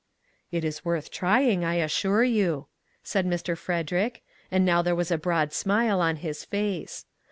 " It is worth trying, I assure you," said Mr. Frederick, and now there was a broad smile on his face.